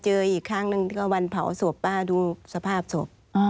เจออีกครั้งหนึ่งก็วันเผาศพป้าดูสภาพศพ